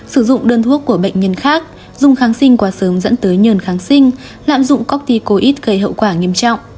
sử dụng đơn thuốc của bệnh nhân khác dùng kháng sinh quá sớm dẫn tới nhờn kháng sinh lạm dụng corticoid gây hậu quả nghiêm trọng